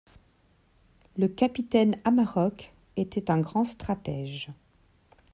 Le capitaine Amahrok était un grand stratège.